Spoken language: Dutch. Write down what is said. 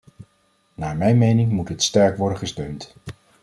Naar mijn mening moet dit sterk worden gesteund.